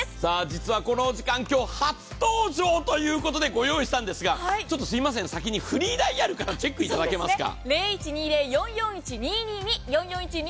実はこの時間初登場ということで御用意したんですが、ちょっとすいません、先にフリーダイヤルからチェックいただけませんか。